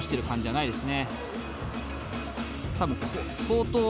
いいですね。